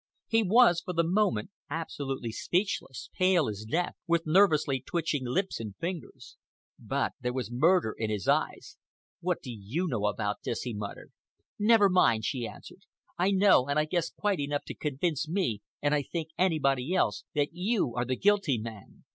He was, for the moment, absolutely speechless, pale as death, with nervously twitching lips and fingers. But there was murder in his eyes. "What do you know about this?" he muttered. "Never mind," she answered. "I know and I guess quite enough to convince me—and I think anybody else—that you are the guilty man.